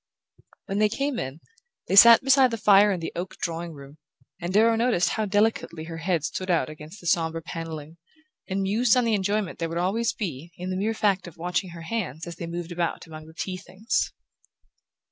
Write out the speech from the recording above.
When they came in they sat beside the fire in the oak drawing room, and Darrow noticed how delicately her head stood out against the sombre panelling, and mused on the enjoyment there would always be in the mere fact of watching her hands as they moved about among the tea things...